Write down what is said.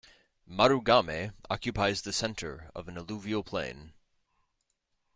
Marugame occupies the centre of an alluvial plain.